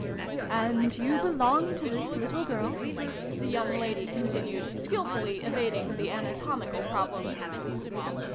"And you belong to this little girl?" the young lady continued, skilfully evading the anatomical problem.